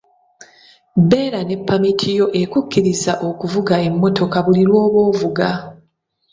Beera ne ppamiti yo ekukkiriza okuvuga emmotoka buli lw'oba ovuga.